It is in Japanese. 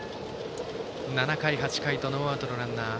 ７回、８回とノーアウトのランナー。